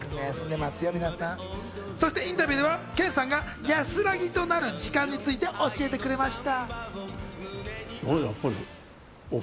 そしてインタビューでは健さんが安らぎとなる時間について教えてくれました。